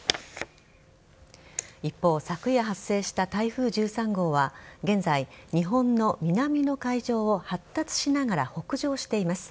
一方、昨夜発生した台風１３号は現在、日本の南の海上を発達しながら北上しています。